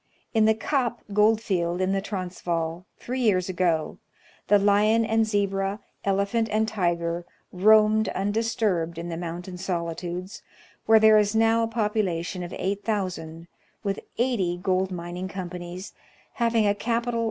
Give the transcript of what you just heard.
In the Kaap gold field in the Transvaal, three years ago, the lion and zebra, ele phant and tiger, roamed undisturbed in the mountain solitudes, where there is now a population of 8,000, with 80 gold mining Africa, its Past and Future.